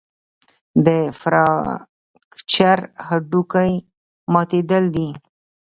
د فراکچر هډوکی ماتېدل دي.